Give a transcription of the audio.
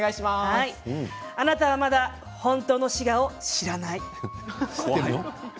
あなたはまだ本当の滋賀を知らない。